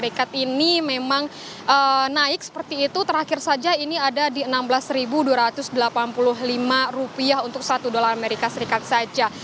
ini memang naik seperti itu terakhir saja ini ada di rp enam belas dua ratus delapan puluh lima rupiah untuk satu dolar amerika serikat saja